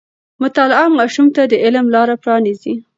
مطالعه ماشوم ته د علم لاره پرانیزي.